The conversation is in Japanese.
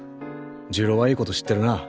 重郎はいいこと知ってるな。